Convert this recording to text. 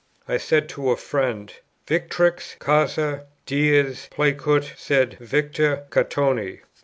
I said to a friend: "Victrix causa diis placuit, sed victa Catoni."